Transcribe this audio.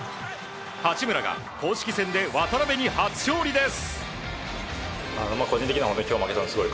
八村が公式戦で渡邊に初勝利です。